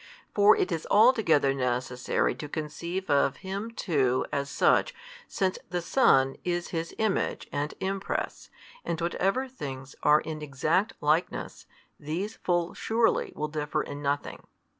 For it is altogether necessary to conceive of Him too as such, since the Son is His Image and Impress, and whatever things are in exact likeness, these full surely will differ in nothing.